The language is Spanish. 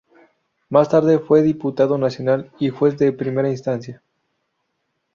Más tarde fue diputado nacional y juez de primera instancia.